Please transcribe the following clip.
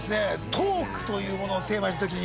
トークというものをテーマにした時に。